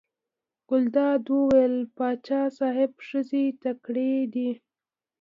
ګلداد وویل: پاچا صاحب ښځې تکړې دي.